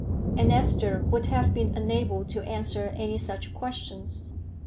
And Esther would have been unable to answer any such questions.